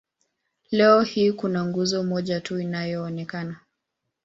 Leo hii kuna nguzo moja tu inayoonekana.